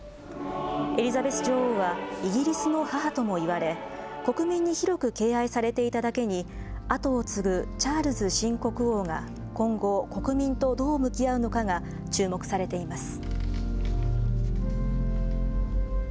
エリザベス女王はイギリスの母ともいわれ、国民に広く敬愛されていただけに、後を継ぐチャールズ新国王が今後、国民とどう向き合うのかが注目されています。